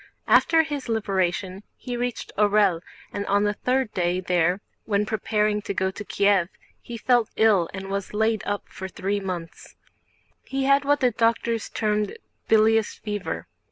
After his liberation he reached Orël, and on the third day there, when preparing to go to Kiev, he fell ill and was laid up for three months. He had what the doctors termed "bilious fever."